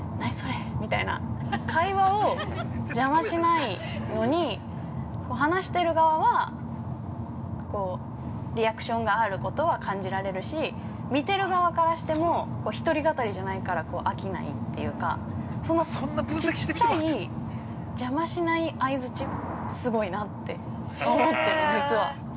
会話を邪魔しないのに話している側は、リアクションがあることは感じられるし見てる側からしても一人語りじゃないから飽きないっていうかそのちっちゃい邪魔しない相づち、すごいなって思ってる、実は。